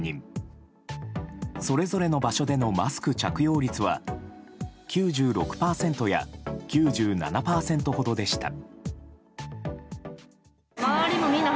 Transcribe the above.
それぞれの場所でのマスク着用率は９６％や９７％ほどでした。